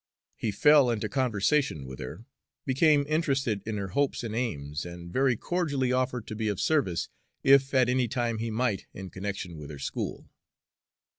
He fell into conversation with her, became interested in her hopes and aims, and very cordially offered to be of service, if at any time he might, in connection with her school.